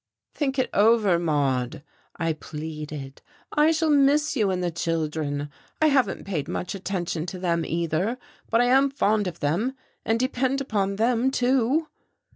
"Think it over, Maude," I pleaded. "I shall miss you and the children. I haven't paid much attention to them, either, but I am fond of them, and depend upon them, too."